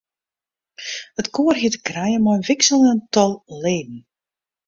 It koar hie te krijen mei in wikseljend tal leden.